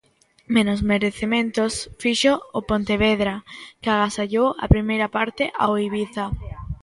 Menos merecementos fixo o Pontevedra, que agasallou a primeira parte ao Ibiza.